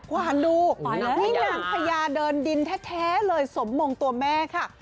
วานดูนี่นางพญาเดินดินแท้เลยสมมงตัวแม่ค่ะ